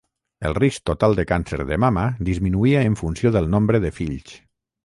El risc total de càncer de mama disminuïa en funció del nombre de fills.